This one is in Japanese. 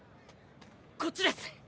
こっちです！